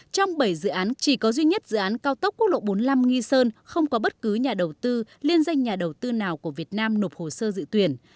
trong bảy dự án chỉ có duy nhất dự án cao tốc quốc lộ bốn mươi năm nghi sơn không có bất cứ nhà đầu tư liên danh nhà đầu tư nào của việt nam nộp hồ sơ dự tuyển